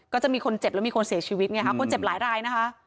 ก็จะมีคนเจ็บแล้วมีคนเสียชีวิตไงคะคนเจ็บหลายรายนะคะ